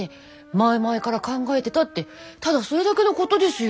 前々から考えてたってただそれだけのことですよ。